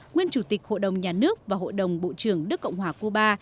nguyên chủ tịch hội đồng nhà nước và hội đồng bộ trưởng nước cộng hòa cuba